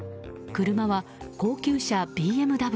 車は、高級車ＢＭＷ。